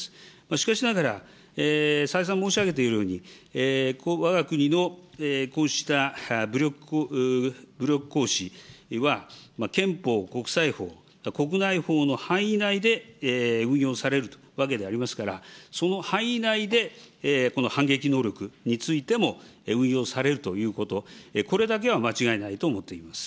しかしながら、再三申し上げているように、わが国のこうした武力行使は、憲法、国際法、国内法の範囲内で運用されるわけでありますから、その範囲内で、反撃能力についても運用されるということ、これだけは間違いないと思っています。